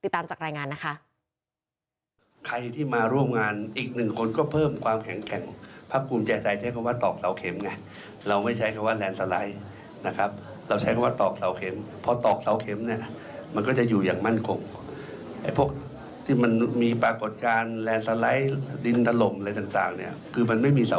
ตามจากรายงานนะคะ